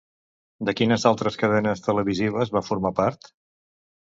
De quines altres cadenes televisives va formar part?